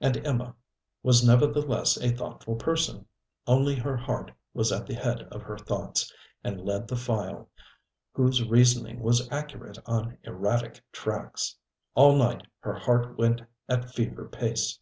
And Emma was nevertheless a thoughtful person; only her heart was at the head of her thoughts, and led the file, whose reasoning was accurate on erratic tracks. All night her heart went at fever pace.